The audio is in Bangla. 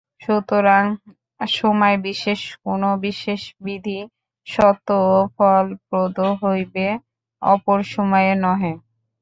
সুতরাং সময়-বিশেষে কোন বিশেষ বিধিই সত্য ও ফলপ্রদ হইবে, অপর সময়ে নহে।